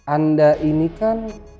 anda ini kan